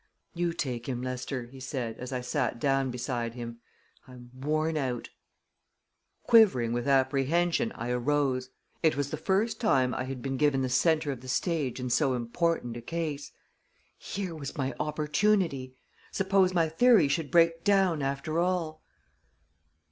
"You take him, Lester," he said, as I sat down beside him. "I'm worn out." Quivering with apprehension, I arose. It was the first time I had been given the center of the stage in so important a case. Here was my opportunity! Suppose my theory should break down, after all!